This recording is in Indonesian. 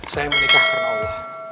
saya menikah karena allah